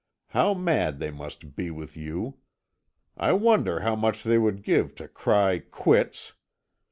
How mad they must be with you! I wonder how much they would give to cry Quits!